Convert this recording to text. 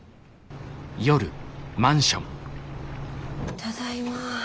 ただいま。